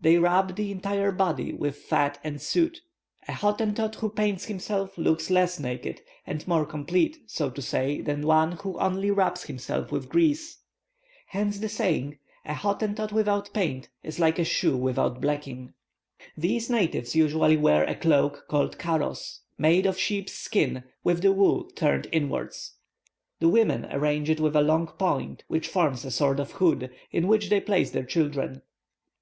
They rub the entire body with fat and soot. A Hottentot who paints himself looks less naked, and more complete, so to say, than one who only rubs himself with grease. Hence the saying, "A Hottentot without paint, is like a shoe without blacking." [Illustration: A Hottentot. (Fac simile of early engraving.)] These natives usually wear a cloak called karos, made of sheep's skin, with the wool turned inwards. The women arrange it with a long point, which forms a sort of hood, in which they place their children.